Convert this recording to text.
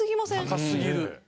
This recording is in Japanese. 高すぎる。